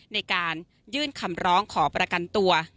ในการยื่นคำร้องขอประกันตัว